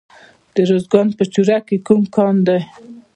د ارزګان په چوره کې کوم کان دی؟